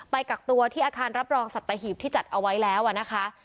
กักตัวที่อาคารรับรองสัตหีบที่จัดเอาไว้แล้วนะคะ